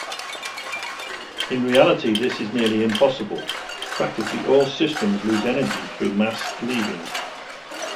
In reality this is nearly impossible, practically all systems lose energy through mass leaving.